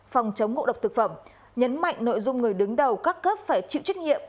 phòng chống ngộ độc thực phẩm nhấn mạnh nội dung người đứng đầu các cấp phải chịu trách nhiệm